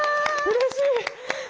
うれしい。